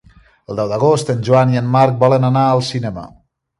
El deu d'agost en Joan i en Marc volen anar al cinema.